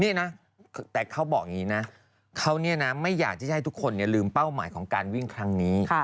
นี่นะแต่เขาบอกอย่างนี้นะเขาเนี่ยนะไม่อยากที่จะให้ทุกคนลืมเป้าหมายของการวิ่งครั้งนี้